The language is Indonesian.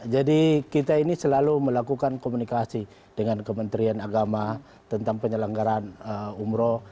jadi kita ini selalu melakukan komunikasi dengan kementerian agama tentang penyelenggaran umroh